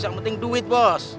yang penting duit bos